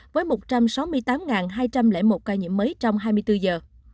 với một trăm sáu mươi tám hai trăm linh một ca nhiễm mới trong hai mươi bốn giờ